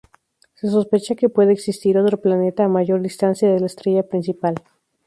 Se sospecha que puede existir otro planeta a mayor distancia de la estrella principal.